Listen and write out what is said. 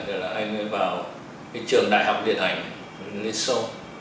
thì là anh mới vào trường đại học điện hành liên xô